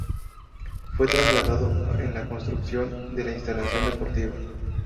Fue trasladado en la construcción de la instalación deportiva.